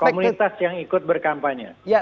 komunitas yang ikut berkampanye